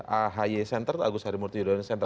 ahy center agus harimurti yudhoyono center